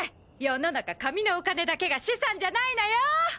世の中紙のお金だけが資産じゃないのよ！